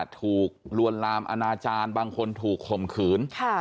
ถูกลวนลามอนาจารย์บางคนถูกข่มขืน